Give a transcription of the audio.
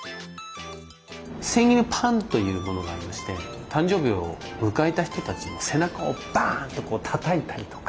センイルパンというものがありまして誕生日を迎えた人たちの背中を「バン！」とたたいたりとか。